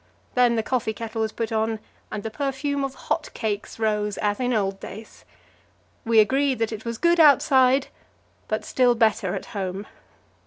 Then the coffee kettle was put on, and the perfume of "hot cakes" rose as in old days. We agreed that it was good outside, but still better at home.